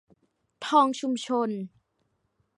ทองชุมนุม